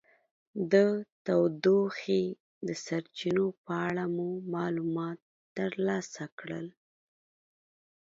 د تودوخې د سرچینو په اړه مو معلومات ترلاسه کړل.